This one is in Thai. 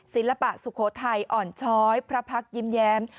ศิลปะสุโขทัยอ่อนช้อยพระพักยิ้มแย้ม